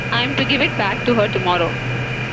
I’m to give it back to her tomorrow.